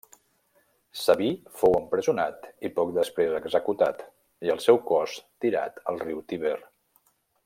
Sabí fou empresonat i poc després executat i el seu cos tirat al riu Tíber.